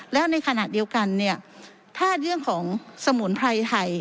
แล้วในขณะเดียวกันเนี่ยถ้าเรื่องของสมุนไพรไทย